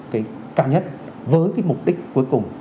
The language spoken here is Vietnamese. cái cao nhất với cái mục đích cuối cùng